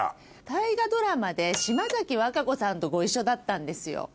大河ドラマで島崎和歌子さんとご一緒だったんですよ。